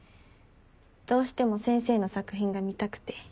どうしても先生の作品が見たくて。